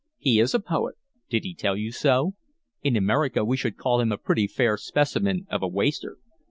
"He is a poet." "Did he tell you so? In America we should call him a pretty fair specimen of a waster."